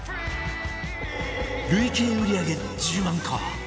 累計売り上げ１０万個